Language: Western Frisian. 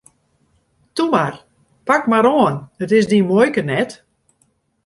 Toe mar, pak mar oan, it is dyn muoike net!